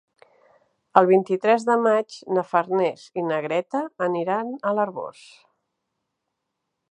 El vint-i-tres de maig na Farners i na Greta aniran a l'Arboç.